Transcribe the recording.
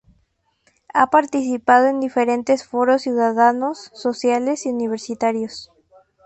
Ha participado en diferentes foros ciudadanos, sociales y universitarios.